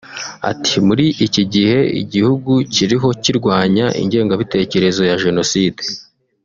Ati”Muri iki gihe igihugu kiriho kirwanya ingengabitekerezo ya Jenoside